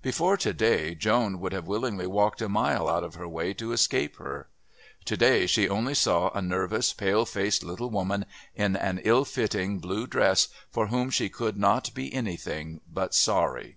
Before to day Joan would have willingly walked a mile out of her way to escape her; to day she only saw a nervous, pale faced little woman in an ill fitting blue dress, for whom she could not be anything but sorry.